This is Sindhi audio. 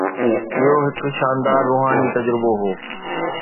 اهو هڪ شاندار روحاني تجربو هو.